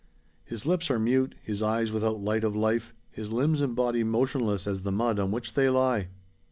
His lips are mute, his eyes without light of life, his limbs and body motionless as the mud on which they lie.